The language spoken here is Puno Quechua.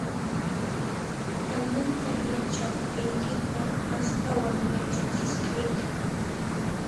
Allinta yachaqtiykiqa, astawan yachachisqayki